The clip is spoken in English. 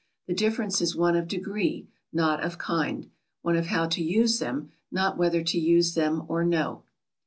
The difference is one of degree, not of kind; one of how to use them, not whether to use them or no.